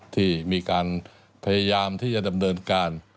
ที่มีการพยายามที่จะดำเนินการ